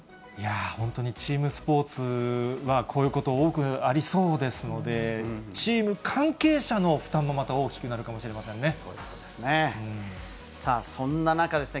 本当にチームスポーツは、こういうこと、多くありそうですので、チーム関係者の負担もまたそういうことですね。